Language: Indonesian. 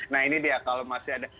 nah ini dia kalau masih ada